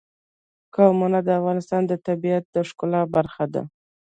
قومونه د افغانستان د طبیعت د ښکلا برخه ده.